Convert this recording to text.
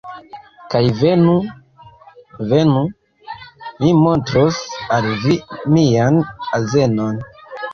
Kaj venu. Venu. Mi montros al vi mian azenon.